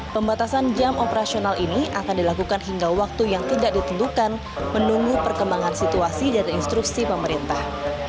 pembatasan jam operasional ini akan dilakukan hingga waktu yang tidak ditentukan menunggu perkembangan situasi dan instruksi pemerintah